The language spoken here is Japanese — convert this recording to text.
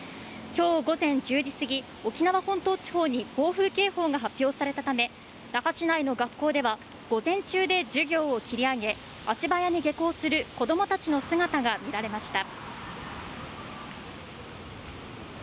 今日午前１０時すぎ沖縄本島地方に暴風警報が発表されたため那覇市内の学校では、午前中で授業を切り上げ、足早に下校する子供たちの姿が見られました。